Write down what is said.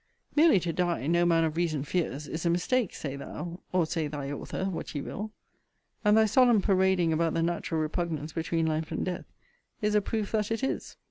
Merely to die, no man of reason fears, is a mistake, say thou, or say thy author, what ye will. And thy solemn parading about the natural repugnance between life and death, is a proof that it is.